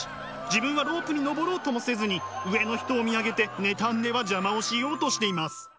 自分はロープに登ろうともせずに上の人を見上げて妬んでは邪魔をしようとしています。